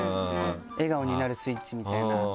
笑顔になるスイッチみたいな。